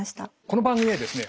この番組はですね